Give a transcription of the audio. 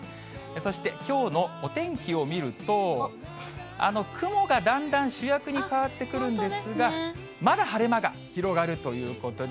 そして、きょうのお天気を見ると、雲がだんだん主役に変わってくるんですが、まだ晴れ間が広がるということで。